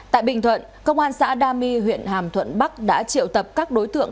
tại bình thuận công an xã đa my huyện hàm thuận bắc đã triệu tập các đối tượng